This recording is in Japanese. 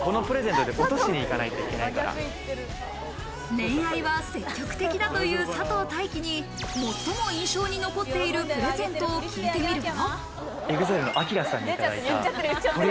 恋愛は積極的だという佐藤大樹に最も印象に残っているプレゼントを聞いてみると。